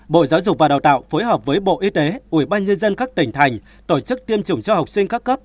bộ giáo dục và đào tạo phối hợp với bộ y tế ubnd các tỉnh thành tổ chức tiêm chủng cho học sinh các cấp